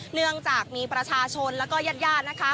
เนื่องจากมีประชาชนแล้วก็ญาติญาตินะคะ